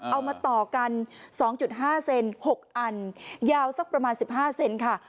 เอามาต่อกัน๒๕เซน๖อันยาวสักประมาณ๑๕เซนค่ะ